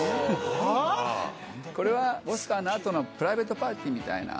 これはオスカーの後のプライベートパーティーみたいな。